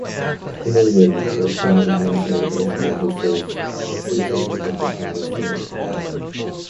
He notably acquired international recognition with his series of detective novels set in Havana.